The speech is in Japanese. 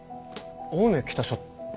青梅北署？